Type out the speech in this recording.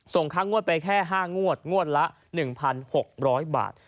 ค่างวดไปแค่๕งวดงวดละ๑๖๐๐บาท